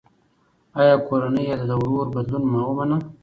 ایا کورنۍ یې د ورور بدلون ومنه؟